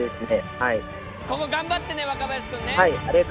ここ頑張ってね若林君ね。